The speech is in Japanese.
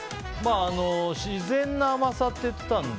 自然な甘さと言っていたので。